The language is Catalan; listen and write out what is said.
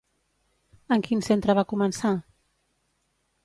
En quin centre va començar?